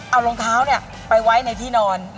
เอารองเท้าเนี่ย